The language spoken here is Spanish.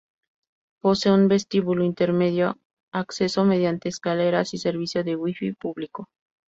Posee un vestíbulo intermedio, acceso mediante escaleras y servicio de Wi-Fi público.